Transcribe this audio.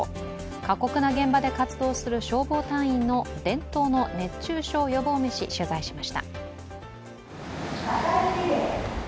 過酷な現場で活動する消防隊員の伝統の熱中症予防メシ、取材しました。